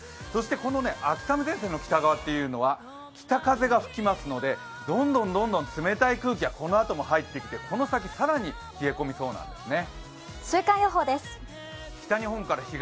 この秋雨前線の北側は北風が吹きますのでどんどん冷たい空気がこのあとも入ってくる、この先、更に冷え込みそうなんですね。